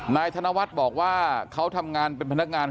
ธนวัฒน์บอกว่าเขาทำงานเป็นพนักงาน